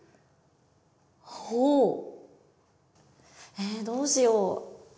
えどうしよう。